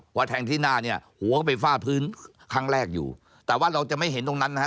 พอแทงที่หน้าเนี่ยหัวก็ไปฟาดพื้นครั้งแรกอยู่แต่ว่าเราจะไม่เห็นตรงนั้นนะฮะ